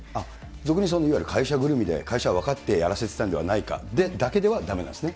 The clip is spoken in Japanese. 俗にいわゆる会社ぐるみで、会社が分かってやらせてたんではないか、だけではだめなんですね。